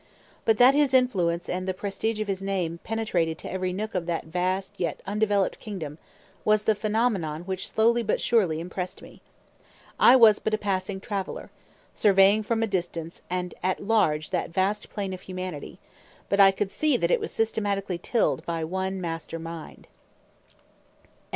But that his influence and the prestige of his name penetrated to every nook of that vast yet undeveloped kingdom was the phenomenon which slowly but surely impressed me. I was but a passing traveller, surveying from a distance and at large that vast plain of humanity; but I could see that it was systematically tilled by one master mind. VIII.